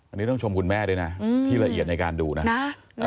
อันนี้ต้องชมคุณแม่ด้วยนะที่ละเอียดในการดูนะ